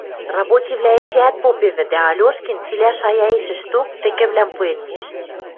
Рабочийвлӓ эчеӓт попевӹ, дӓ Алешкин цилӓ шаяэшӹшток тӹкӹвлӓм пуэн миш.